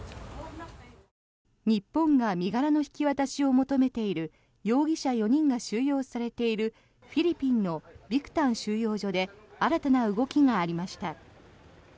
日本が身柄の引き渡しを求めている容疑者４人が収容されているフィリピンのビクタン収容所で新たな動きがありました。